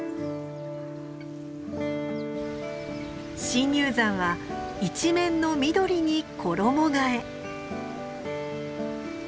深入山は一面の緑に衣がえ。